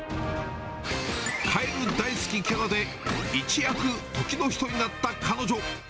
カエル大好きキャラで、一躍時の人になった彼女。